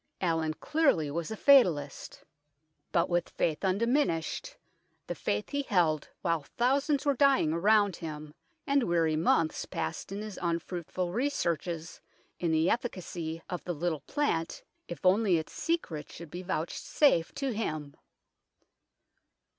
Allin clearly was a fatalist, but with faith undiminished LETTERS FROM LONDON 229 the faith he held while thousands were dying around him, and weary months passed in his unfruitful researches, in the efficacy of the little plant if only its secret should be vouchsafed to him.